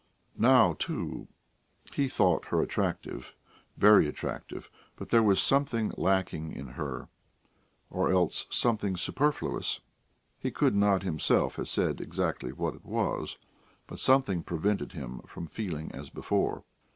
Now, too, he thought her attractive, very attractive, but there was something lacking in her, or else something superfluous he could not himself have said exactly what it was, but something prevented him from feeling as before.